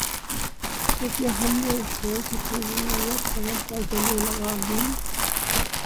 تو کیا ہم اسے خیر کی قوت سمجھ کر گلے لگا لیں گے؟